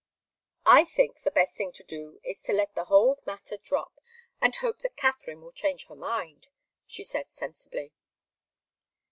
"I think the best thing to do is to let the whole matter drop, and hope that Katharine will change her mind," she said, sensibly.